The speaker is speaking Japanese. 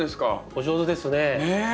お上手ですね。